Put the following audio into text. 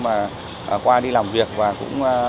và đều doanh nghiệp cho nghỉ